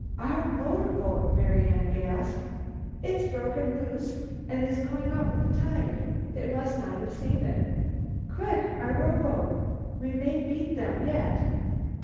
"Our motorboat," Marian gasped. "It's broken loose and is going out with the tide. They must not have seen it. Quick! Our rowboat! We may beat them yet!"